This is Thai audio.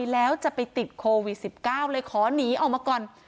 แล้วจะไปติดโควิด๑๙เลยขอหนีออกมาก่อน